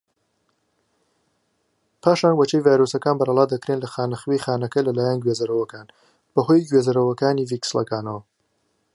پاشان وەچەی ڤایرۆسەکان بەرەڵا دەکرێن لە خانەخوێی خانەکە لەلایەن گوێزەرەوەکان بەهۆی گوێزەرەوەکانی ڤیسیکڵەکانەوە.